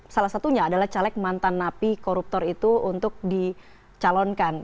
salah satunya adalah caleg mantan napi koruptor itu untuk dicalonkan